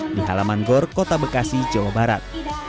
di halaman gor kota bekasi jawa barat